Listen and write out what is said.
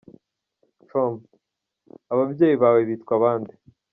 com : Ababyeyi bawe bitwa bande ?.